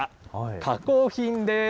加工品です。